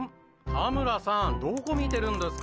田村さんどこ見てるんですか？」。